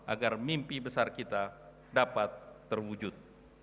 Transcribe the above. agar mimpi besar kita dapat terwujud